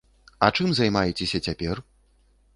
А чым займаецеся цяпер?